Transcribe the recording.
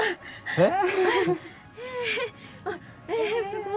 えっ？